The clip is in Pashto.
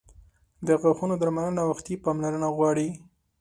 • د غاښونو درملنه وختي پاملرنه غواړي.